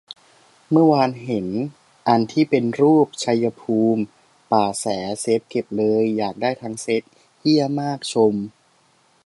เมื่อวานเห็นอันที่เป็นรูป ชัยภูมิ ป่าแส เซฟเก็บเลย อยากได้ทั้งเซ็ต เหี้ยมาก ชม